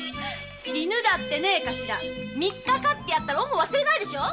犬だって三日飼ってやったら恩を忘れないでしょ